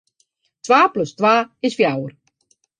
Twa plus twa is fjouwer.